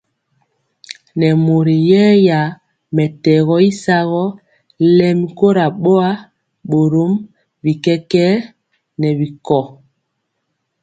Nɛ mori yɛya mɛtɛgɔ y sagɔ lɛmi kora boa, borom bi kɛkɛɛ nɛ bi kɔ.